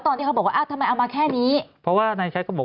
ตอนนี้เขาบอกว่าทำไมเอามาแค่นี้เพราะว่าในแชทก็บอก